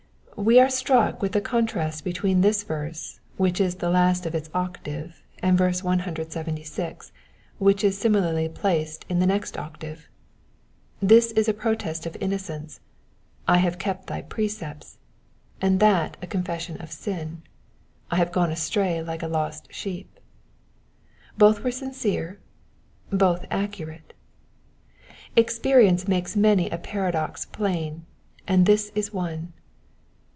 We are struck with the contrast between this verse, which is the last of its octave, and verse 176, which is similarly placed in the next octave. This is a protest of innocence, I have kept thy precepts,'' and that a confession of sin, 1 have gone astray like a lost sheep." Both were sin cere, both accurate. Experience makes many a paradox plain, and this ia one.